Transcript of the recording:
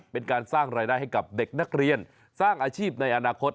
เป็นการสร้างรายได้ให้กับเด็กนักเรียนสร้างอาชีพในอนาคต